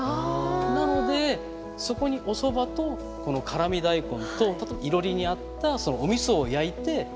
なのでそこにおそばとこの辛味大根とあといろりにあったおみそを焼いて入れて食べてたと。